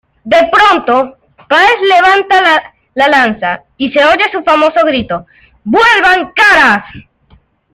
De pronto, Páez levanta la lanza y se oye su famoso grito: "¡"vuelvan caras"!